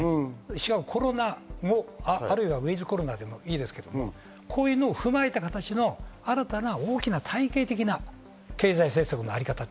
しかもコロナもウィズコロナでもいいですけど、こういうのを踏まえた形の新たな大きな体系的な経済政策のあり方。